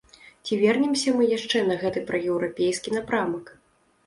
Ці вернемся мы яшчэ на гэты праеўрапейскі напрамак?